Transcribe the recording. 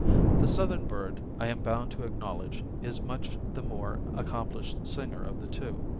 The Southern bird, I am bound to acknowledge, is much the more accomplished singer of the two.